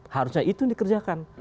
harusnya itu yang dikerjakan